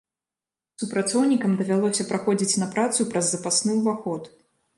Супрацоўнікам давялося праходзіць на працу праз запасны ўваход.